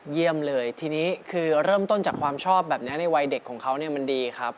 เยี่ยมเลยทีนี้คือเริ่มต้นจากความชอบแบบนี้ในวัยเด็กของเขาเนี่ยมันดีครับ